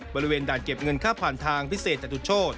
บริเวณด่านเก็บเงินค่าผ่านทางพิเศษจตุโชธ